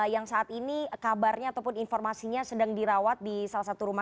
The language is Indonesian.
yang saat ini kabarnya ataupun informasinya sedang dirawat di salah satu rumah